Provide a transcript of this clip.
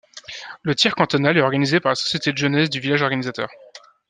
Le tir cantonal est organisé par la société de jeunesse du village organisateur.